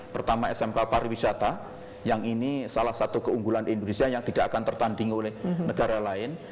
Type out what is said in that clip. pertama smk pariwisata yang ini salah satu keunggulan indonesia yang tidak akan tertanding oleh negara lain